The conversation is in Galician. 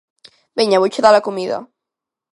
Veña, vouche dar a comida.